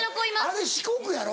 あれ四国やろ？